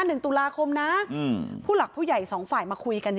หนึ่งตุลาคมนะอืมผู้หลักผู้ใหญ่สองฝ่ายมาคุยกัน